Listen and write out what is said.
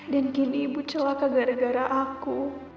dan kini ibu celaka gara gara aku